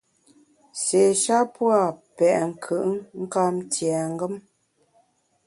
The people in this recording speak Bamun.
Sé sha pua’ petnkùtnkamtiengem.